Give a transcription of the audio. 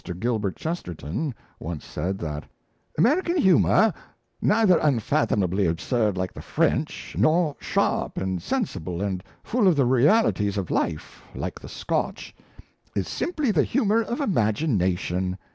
Gilbert Chesterton once said that "American humour, neither unfathomably absurd like the French, nor sharp and sensible and full of the realities of life like the Scotch, is simply the humour of imagination.